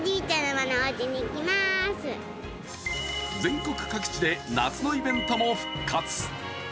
全国各地で夏のイベントも復活。